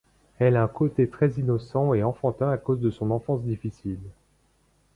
Elle a un côté très innocent et enfantin à cause de son enfance difficile.